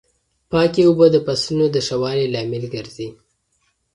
پاکې اوبه د فصلونو د ښه والي لامل ګرځي.